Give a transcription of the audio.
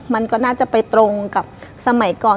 มันก็น่าจะไปตรงกับสมัยก่อน